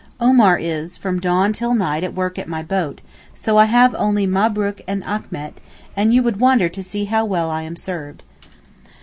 Omar is from dawn till night at work at my boat, so I have only Mahbrook and Achmet, and you would wonder to see how well I am served.